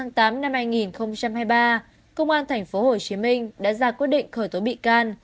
ngày một mươi tám tháng tám năm hai nghìn hai mươi ba công an tp hcm đã ra quyết định khởi tố bị can